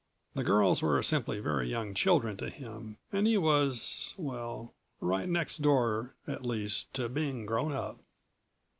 The girls were simply very young children to him and he was well, right next door at least to being grown up.